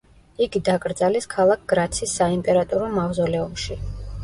იგი დაკრძალეს ქალაქ გრაცის საიმპერატორო მავზოლეუმში.